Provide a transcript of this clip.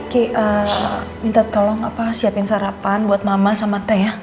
ki minta tolong siapin sarapan buat mama sama teh ya